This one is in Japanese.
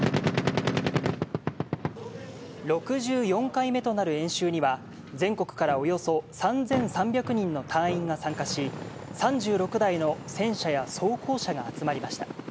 ６４回目となる演習には、全国からおよそ３３００人の隊員が参加し、３６台の戦車や装甲車が集まりました。